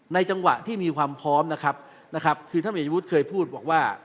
ในจังหวะที่มีความพร้อมนะครับคือท่านเหมือนยายวุฒิเคยพูดว่าว่า